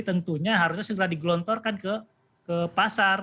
tentunya harusnya segera digelontorkan ke pasar